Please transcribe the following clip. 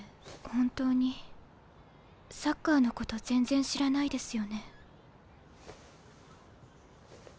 本当にサッカーのこと全然知らないですよね。